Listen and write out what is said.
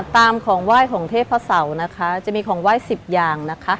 ตามของไหว้ของเทพพระเสานะคะจะมีของไหว้๑๐อย่างนะคะ